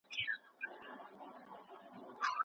زموږ هېواد د نړیوالي ټولني له غوښتنو سترګې نه پټوي.